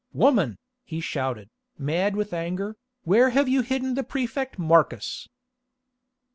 "Woman," he shouted, mad with anger, "where have you hidden the Prefect Marcus?"